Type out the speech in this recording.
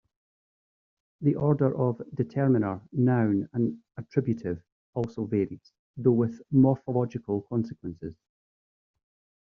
The order of determiner, noun, and attributive also varies, though with morphological consequences.